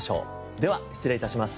では失礼致します。